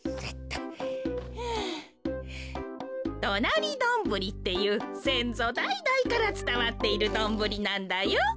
どなりドンブリっていうせんぞだいだいからつたわっているドンブリなんだよ。